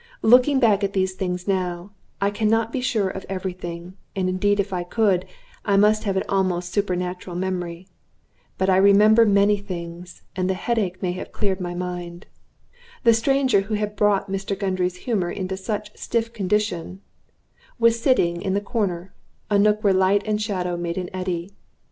Looking back at these things now, I can not be sure of every thing; and indeed if I could, I must have an almost supernatural memory. But I remember many things; and the headache may have cleared my mind. The stranger who had brought Mr. Gundry's humor into such stiff condition was sitting in the corner, a nook where light and shadow made an eddy.